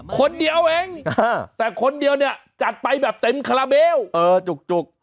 คนเดียวเองแต่คนเดียวเนี่ยจัดไปแบบเต็มคาราเบลเออจุก